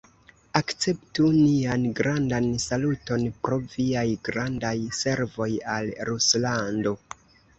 Akceptu nian grandan saluton pro viaj grandaj servoj al Ruslando!